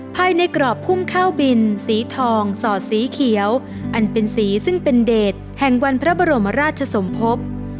ภายในกรอบพุ่มข้าวบินสีทองสอดสีเขียวอันเป็นสีซึ่งเป็นเดทแห่งวันพระบรมราชสมภพ